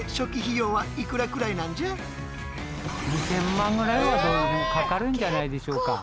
２０００万ぐらいはどうしてもかかるんじゃないでしょうか。